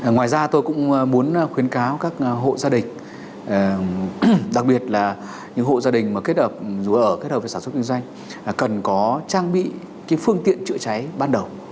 ngoài ra tôi cũng muốn khuyến cáo các hộ gia đình đặc biệt là những hộ gia đình mà kết hợp dù ở kết hợp với sản xuất kinh doanh